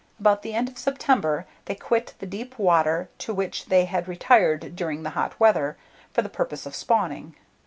About the end of September, they quit the deep water to which they had retired during the hot weather, for the purpose of spawning.